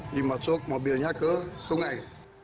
dimasuk mobilnya ke sungai